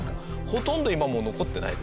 ほとんど今もう残ってない。